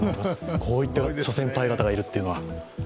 こういった諸先輩方がいるので。